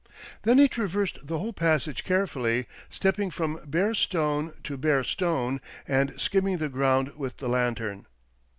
Then he traversed the whole passage carefully, stepping from bare stone to bare stone, and skimming the ground with the lantern.